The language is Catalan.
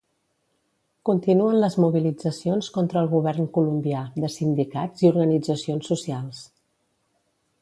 Continuen les mobilitzacions contra el govern colombià de sindicats i organitzacions socials.